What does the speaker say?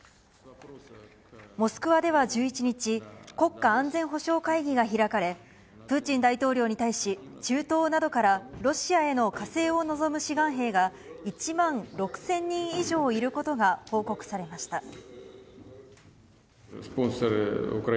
モスクワでは１１日、国家安全保障会議が開かれ、プーチン大統領に対し、中東などからロシアへの加勢を望む志願兵が、１万６０００人以上いることが報告されました。